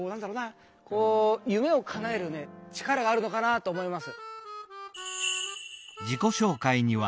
こう夢をかなえる力があるのかなと思います。